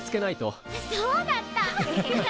そうだった！